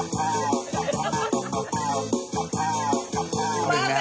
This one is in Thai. แขงปกติ